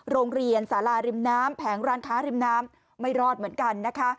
โรงเรียนสาราริมน้ำแผงร้านค้าริมน้ำไม่รอดเหมือนกันนะคะ